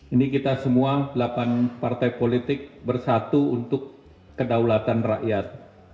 ini kita semua delapan partai politik bersatu untuk kedaulatan rakyat